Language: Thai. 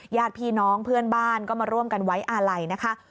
ญาติพี่น้องเพื่อนบ้านก็มาร่วมกันไว้อาลัยนะคะ